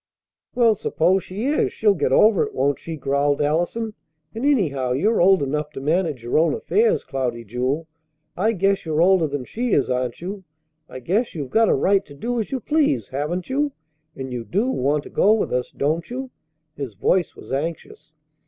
"Well, suppose she is; she'll get over it, won't she?" growled Allison. "And anyhow you're old enough to manage your own affairs, Cloudy Jewel. I guess you're older than she is, aren't you? I guess you've got a right to do as you please, haven't you? And you do want to go with us, don't you?" His voice was anxious.